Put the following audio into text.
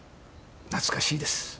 懐かしいです。